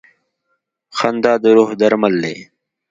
• خندا د روح درمل دی.